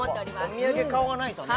お土産買わないとね